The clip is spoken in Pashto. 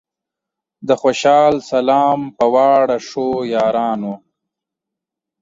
د خوشال سلام پۀ واړه ښو یارانو